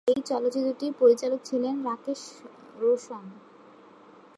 এই চলচ্চিত্রটির পরিচালক ছিলেন রাকেশ রোশন।